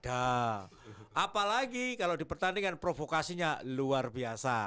apalagi kalau di pertandingan provokasinya luar biasa